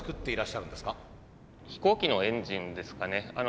飛行機のエンジンですかね。